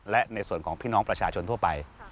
และในส่วนของพี่น้องประชาชนทั่วไป